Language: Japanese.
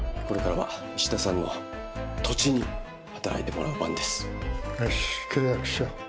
これからは石田さんの土地に働いてもらう番です。